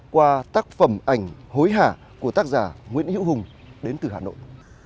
qua tác phẩm ảnh hối hả của tác giả nguyễn hiễu hùng đến từ hà nội